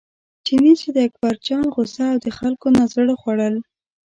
چیني چې د اکبرجان غوسه او د خلکو نه زړه خوړل.